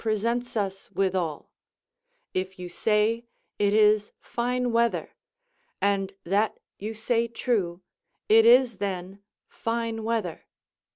presents us withal; if you say, "It is fine weather," and that you say true, it is then fine weather.